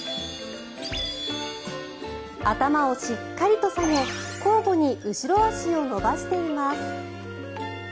頭をしっかりと下げ交互に後ろ足を伸ばしています。